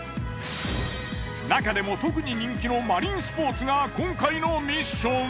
なかでも特に人気のマリンスポーツが今回のミッション。